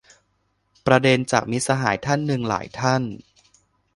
ประเด็นจาก มิตรสหายท่านหนึ่ง หลายท่าน